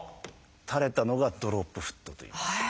垂れたのが「ドロップフット」という。